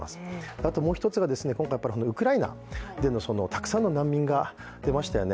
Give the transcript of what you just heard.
あともう一つが今回、ウクライナでのたくさんの難民が出ましたよね。